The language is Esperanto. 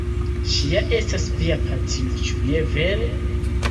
Ŝi ja estas via patrino, ĉu ne vere?